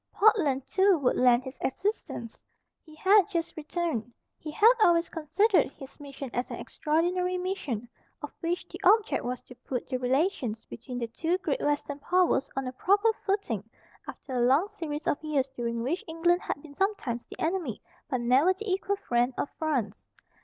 Portland too would lend his assistance. He had just returned. He had always considered his mission as an extraordinary mission, of which the object was to put the relations between the two great Western powers on a proper footing after a long series of years during which England had been sometimes the enemy, but never the equal friend, of France.